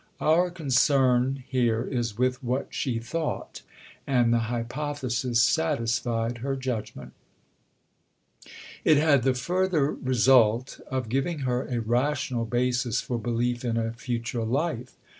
Our concern here is with what she thought, and the hypothesis satisfied her judgment. It had the further result of giving her a rational basis for belief in a Future Life.